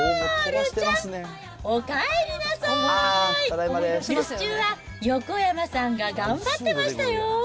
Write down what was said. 留守中は横山さんが頑張ってましたよ。